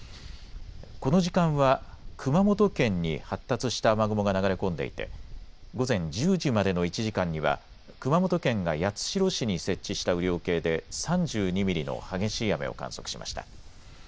この時間は熊本県に発達した雨雲が流れ込んでいて午前１０時までの１時間には熊本県が八代市に設置した雨量計で３２ミリの激しい雨を観測しました。